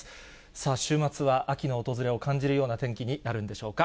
さあ、週末は秋の訪れを感じるような天気になるんでしょうか。